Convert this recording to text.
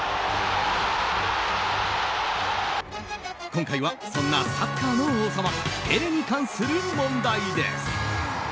今回は、そんなサッカーの王様ペレに関する問題です。